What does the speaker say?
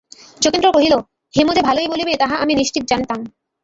যোগেন্দ্র কহিল, হেম যে ভালোই বলিবে, তাহা আমি নিশ্চয় জানিতাম।